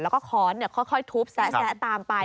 แล้วก็ค้อนค่อยทุบแซะตามไป